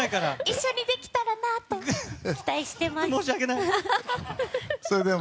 一緒にできたらなと期待しています。